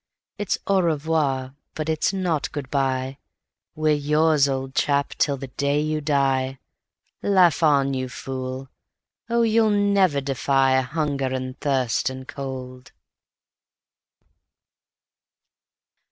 It's au revoir, but it's not good by; We're yours, old chap, till the day you die; Laugh on, you fool! Oh, you'll never defy Hunger and Thirst and Cold."